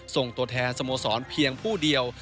ส่งตัวแทนสโมสรเพียงผู้เดียว